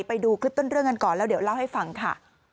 ไปดูคลิปต้นเรื่องกันก่อนแล้วเดี๋ยวเล่าให้ฟังค่ะ